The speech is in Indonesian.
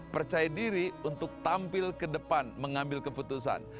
percaya diri untuk tampil ke depan mengambil keputusan